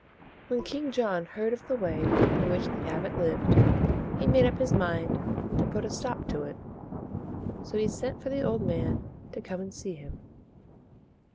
When King John heard of the way in which the abbot lived, he made up his mind to put a stop to it. So he sent for the old man to come and see him.